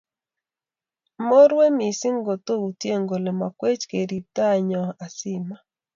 Amoruye mising kot outie kole makwech kerip tai nyo asima